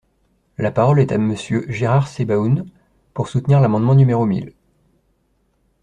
La parole est à Monsieur Gérard Sebaoun, pour soutenir l’amendement numéro mille.